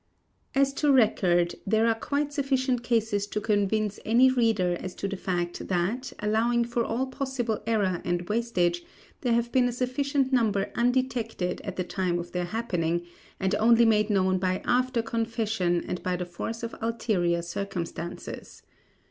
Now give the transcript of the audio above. As to record, there are quite sufficient cases to convince any reader as to the fact that, allowing for all possible error and wastage, there have been a sufficient number undetected at the time of their happening, and only made known by after confession and by the force of ulterior circumstances.